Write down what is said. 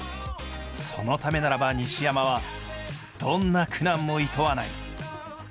そのためならば西山はどんな苦難もいとわない。